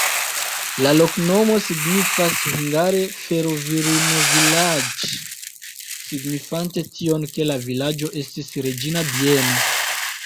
La loknomo signifas hungare: fero-virino-vilaĝ', signifante tion, ke la vilaĝo estis reĝina bieno.